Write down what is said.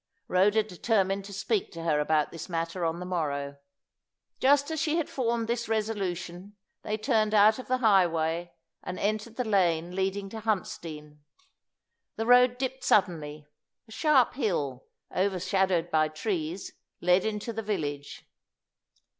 Rhoda determined to speak to her about this matter on the morrow. Just as she had formed this resolution, they turned out of the highway and entered the lane leading to Huntsdean. The road dipped suddenly; a sharp hill, overshadowed by trees, led into the village.